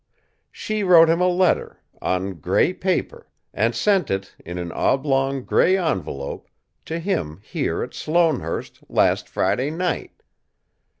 "She wrote him a letter, on grey paper, and sent it, in an oblong, grey envelope, to him here at Sloanehurst last Friday night.